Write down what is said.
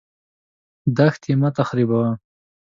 دښتې مه تخریبوه.